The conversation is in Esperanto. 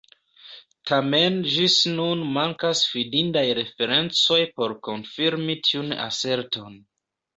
Tamen ĝis nun mankas fidindaj referencoj por konfirmi tiun aserton.